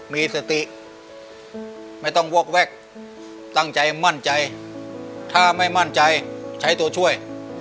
มีสติไม่ต้องวอกแวกตั้งใจมั่นใจถ้าไม่มั่นใจใช้ตัวช่วย